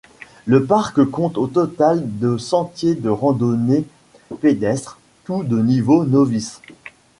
Le parc compte au total de sentiers de randonnée pédestre, tous de niveau novice.